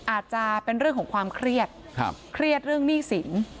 อาจจะเป็นเรื่องของความเครียดเครียดเรื่องหนี้สิน